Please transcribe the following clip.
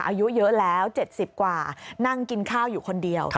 อายุเยอะแล้ว๗๐กว่านั่งกินข้าวอยู่คนเดียว